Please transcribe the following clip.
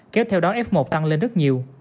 kéo theo đó f một tăng lên rất nhiều